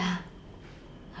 mama lihat dia